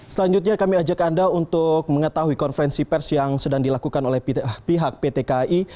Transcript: selanjutnya kami ajak anda untuk mengetahui konferensi pers yang sedang dilakukan oleh pihak pt kai